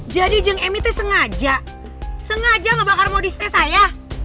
jadi jeng mit sengaja sengaja ngebakar modisite saya